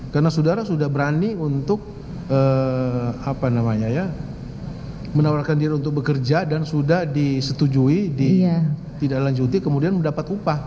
karena sudara sudah berani untuk menawarkan diri untuk bekerja dan sudah disetujui tidak lanjutnya kemudian mendapat upah